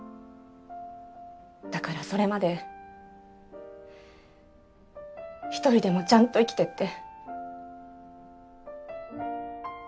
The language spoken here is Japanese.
だからそれまで１人でもちゃんと生きていって。